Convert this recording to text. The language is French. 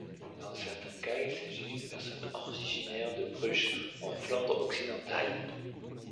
Dans certains cas, il s'agit d'une personne originaire de Bruges en Flandre Occidentale.